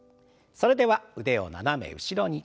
それでは腕を斜め後ろに。